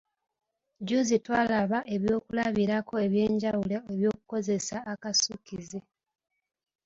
Jjuuzi twalaba ebyokulabirako eby’enjawulo eby'okukozesa akasukkize.